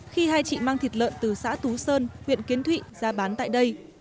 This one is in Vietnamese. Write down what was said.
khi hai chị mang thịt lợn từ xã tú sơn huyện kiến thụy ra bán tại đây